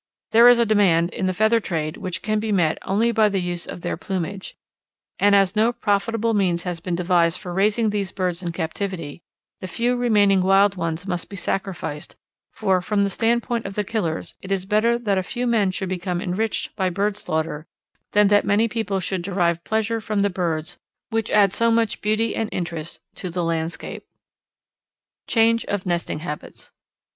There is a demand in the feather trade which can be met only by the use of their plumage, and as no profitable means has been devised for raising these birds in captivity the few remaining wild ones must be sacrificed, for from the standpoint of the killers it is better that a few men should become enriched by bird slaughter than that many people should derive pleasure from the birds which add so much beauty and interest to the landscape. _Change of Nesting Habits.